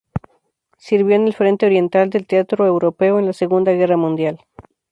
Sirvió en el frente oriental del Teatro Europeo en la Segunda Guerra Mundial.